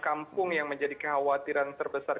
kampung yang menjadi kekhawatiran terbesar